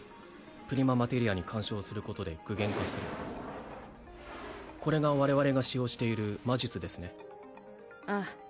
プリママテリアに干渉することで具現化するこれが我々が使用している魔術ですねああ